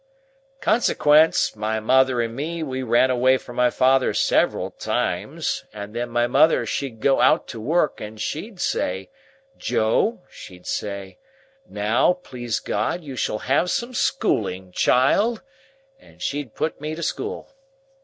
"Consequence, my mother and me we ran away from my father several times; and then my mother she'd go out to work, and she'd say, "Joe," she'd say, "now, please God, you shall have some schooling, child," and she'd put me to school.